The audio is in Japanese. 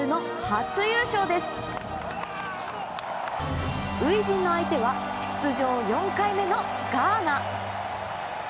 初陣の相手は出場４回目のガーナ。